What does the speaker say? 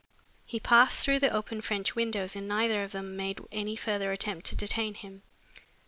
He passed through the open French windows and neither of them made any further attempt to detain him.